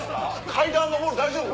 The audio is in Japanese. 階段上るの大丈夫？